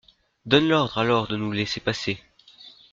Donne l'ordre alors de nous laisser passer.